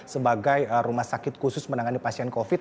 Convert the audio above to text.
sebagai rumah sakit khusus menangani pasien covid